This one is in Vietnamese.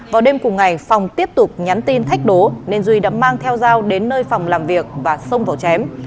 vào đêm cùng ngày phòng tiếp tục nhắn tin thách đố nên duy đã mang theo dao đến nơi phòng làm việc và xông vào chém